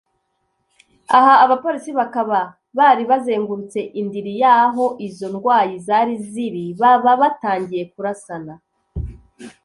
Aha abapolisi bakaba bari bazengurutse indiri yaho izo ndwanyi zari ziri baba batangiye kurasana